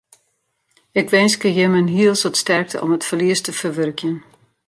Ik winskje jimme in heel soad sterkte om it ferlies te ferwurkjen.